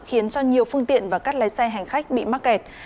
khiến cho nhiều phương tiện và các lái xe hành khách bị mắc kẹt